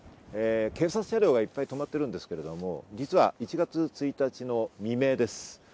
警察車両がいっぱい止まってるんですけれども、実は１月１日の未明です。